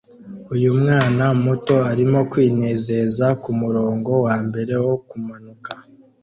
Uyu mwana muto arimo kwinezeza kumurongo wambere wo kumanuka